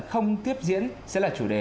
không tiếp diễn sẽ là chủ đề